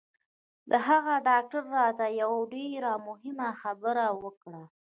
د هغه ډاکتر راته یوه ډېره مهمه خبره وکړه